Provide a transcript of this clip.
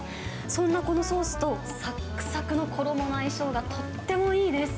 そんなこのソースと、さっくさくの衣の相性がとってもいいです。